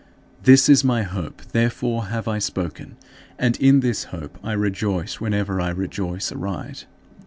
" This is my hope, therefore have I spoken; and in this hope I rejoice whenever I rejoice aright.